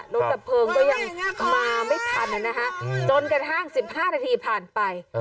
ดับเพลิงก็ยังมาไม่ทันนะฮะจนกระทั่ง๑๕นาทีผ่านไป